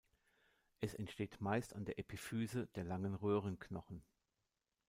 Es entsteht meist an der Epiphyse der langer Röhrenknochen.